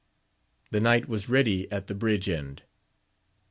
The knight was ready at the bridge end.